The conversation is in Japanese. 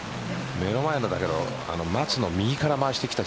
目の前なんだけど松の右からまわしてきた。